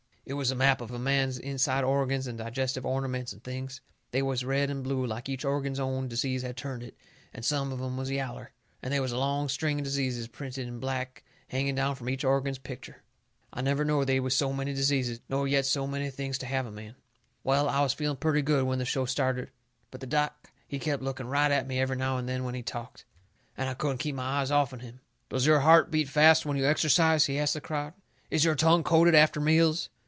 It was a map of a man's inside organs and digestive ornaments and things. They was red and blue, like each organ's own disease had turned it, and some of 'em was yaller. And they was a long string of diseases printed in black hanging down from each organ's picture. I never knowed before they was so many diseases nor yet so many things to have 'em in. Well, I was feeling purty good when that show started. But the doc, he kep' looking right at me every now and then when he talked, and I couldn't keep my eyes off'n him. "Does your heart beat fast when you exercise?" he asts the crowd. "Is your tongue coated after meals?